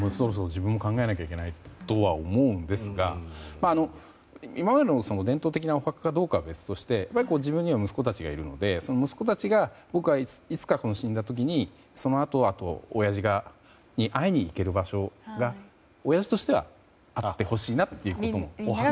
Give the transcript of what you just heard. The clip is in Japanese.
自分も考えなきゃいけないとは思うんですが、今までの伝統的なお墓かどうかは別としてやっぱり自分には息子たちがいるので息子たちには僕はいつか、死んだ時にそのあと親父が会いに行ける場所が親父としては会ってほしいなという。